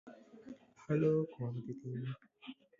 Prehistoric Native American ruins are located nearby.